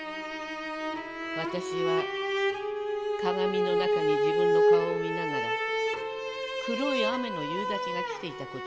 私は鏡の中に自分の顔を見ながら黒い雨の夕立が来ていたことを思い出した。